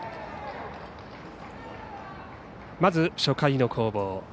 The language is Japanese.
まず初回の攻防。